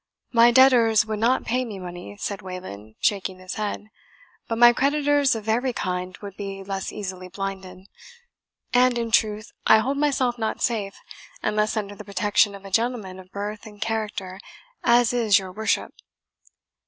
"My debtors would not pay me money," said Wayland, shaking his head; "but my creditors of every kind would be less easily blinded. And, in truth, I hold myself not safe, unless under the protection of a gentleman of birth and character, as is your worship."